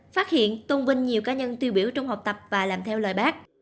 phát hiện tôn vinh nhiều cá nhân tiêu biểu trong học tập và làm theo lời bác